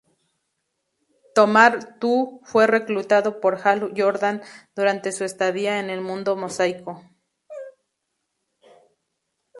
Tomar-Tu fue reclutado por Hal Jordan durante su estadía en el Mundo Mosaico.